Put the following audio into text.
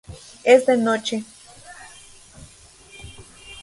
Es de noche.